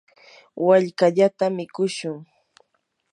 wallkallata mikushun.